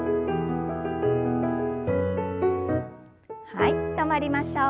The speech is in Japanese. はい止まりましょう。